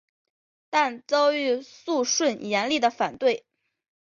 但遭遇肃顺严厉的反对。